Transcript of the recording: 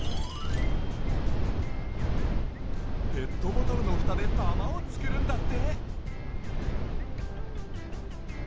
ペットボトルのふたでたまをつくるんだって！